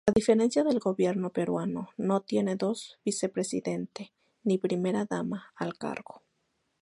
A diferencia del gobierno peruano, no tiene dos vicepresidente ni primera dama al cargo.